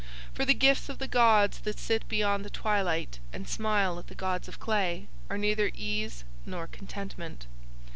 For the gifts of the gods that sit beyond the twilight and smile at the gods of clay, are neither ease nor contentment."